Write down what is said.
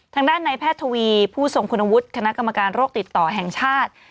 ทางด้านในแพทย์ทวีผู้ทรงคุณวุฒิคณะกรรมการโรคติดต่อแห่งชาติ